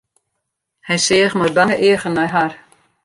Hy seach mei bange eagen nei har.